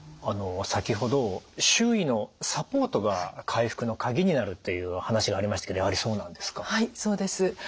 先ほど周囲のサポートが回復の鍵になるという話がありましたけどやはりそうなんですか？